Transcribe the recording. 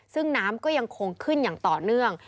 ซึ่งน้ำก็ยังคงขึ้นอย่างต่อเนื่อง